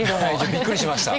びっくりしました。